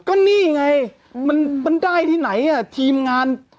ก็นี่ไงมันได้ที่ไหนทีมงาน